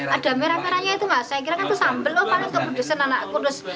ada merah merahnya itu mas saya kira itu sambal oh paling kepedesan anak kurus